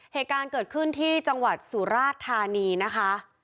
เหตุการณ์เกิดขึ้นที่จังหวัดสุราชธานีนะคะ